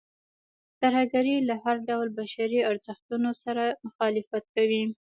ترهګرۍ له هر ډول بشري ارزښتونو سره مخالفت کوي.